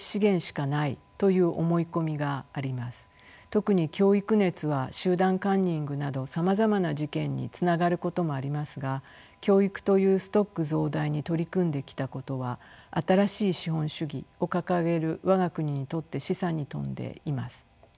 特に教育熱は集団カンニングなどさまざまな事件につながることもありますが教育というストック増大に取り組んできたことは新しい資本主義を掲げる我が国にとって示唆に富んでいます。